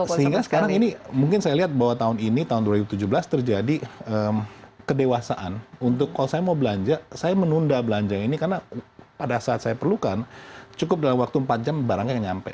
sehingga sekarang ini mungkin saya lihat bahwa tahun ini tahun dua ribu tujuh belas terjadi kedewasaan untuk kalau saya mau belanja saya menunda belanja ini karena pada saat saya perlukan cukup dalam waktu empat jam barangnya nyampe